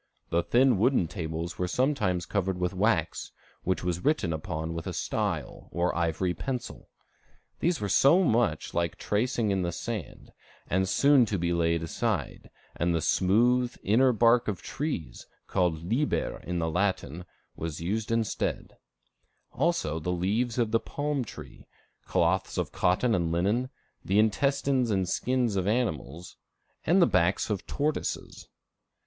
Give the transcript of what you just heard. The thin wooden tables were sometimes covered with wax, which was written upon with a style, or ivory pencil. These were so much like tracing in the sand, as soon to be laid aside, and the smooth, inner bark of trees, called liber in the Latin, was used instead; also the leaves of the palm tree, cloths of cotton and linen, the intestines and skins of animals, and the backs of tortoises.